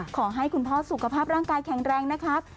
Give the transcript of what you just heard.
ขอให้คุณพ่อสุขภาพร่างกายแข็งแรงนะครับ